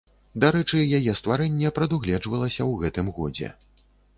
Дарэчы, яе стварэнне прадугледжвалася ў гэтым годзе.